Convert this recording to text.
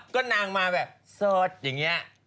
ก็นางมาแบบสดอย่างนี้